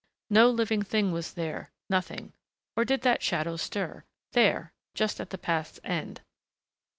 No living thing was there ... nothing ... or did that shadow stir? There, just at the path's end.